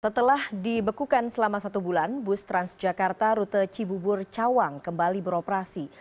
setelah dibekukan selama satu bulan bus transjakarta rute cibubur cawang kembali beroperasi